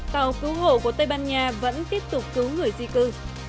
tàu cứu hộ của tây ban nha vẫn tiếp tục cứu người di cư